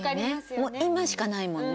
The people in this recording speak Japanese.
もう今しかないもんね。